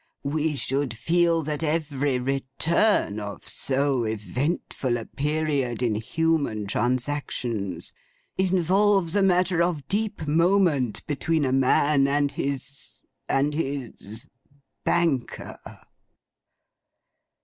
We should feel that every return of so eventful a period in human transactions, involves a matter of deep moment between a man and his—and his banker.